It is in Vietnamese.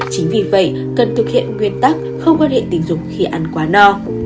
chính vì vậy cần thực hiện nguyên tắc không quan hệ tình dục khi ăn quá no